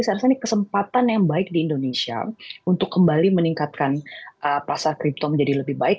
saya rasa ini kesempatan yang baik di indonesia untuk kembali meningkatkan pasar kripto menjadi lebih baik